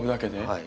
はい。